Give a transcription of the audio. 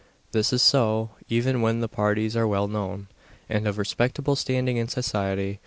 This is so, even when the parties are well known, and of respectable standing in society.